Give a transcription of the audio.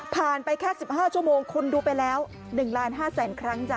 ไปแค่๑๕ชั่วโมงคุณดูไปแล้ว๑๕๐๐๐ครั้งจ้ะ